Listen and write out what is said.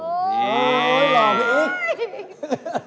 โอ้โหหล่อพี่อุ้ย